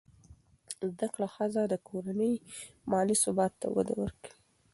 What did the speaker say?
زده کړه ښځه د کورنۍ مالي ثبات ته وده ورکوي.